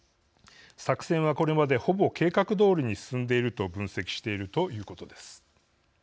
作戦は、これまでほぼ計画どおりに進んでいると分析しているということです。